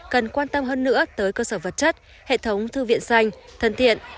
cần quan tâm hơn nữa tới cơ sở vật chất hệ thống thư viện xanh thân thiện